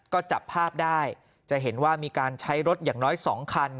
ก็จับภาพได้จะเห็นว่ามีการใช้รถอย่างน้อย๒คัน